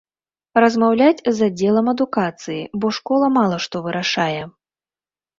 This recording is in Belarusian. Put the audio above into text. Размаўляць з аддзелам адукацыі, бо школа мала што вырашае.